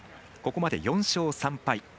ここまで４勝３敗。